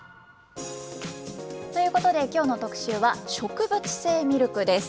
ということで、きょうの特集は、植物性ミルクです。